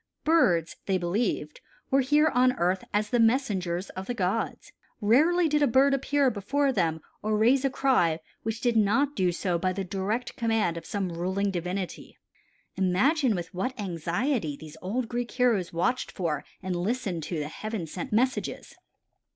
Birds, they believed, were here on earth as the messengers of the gods. Rarely did a bird appear before them or raise a cry which did not do so by the direct command of some ruling divinity. Imagine with what anxiety these old Greek heroes watched for and listened to the heaven sent messages.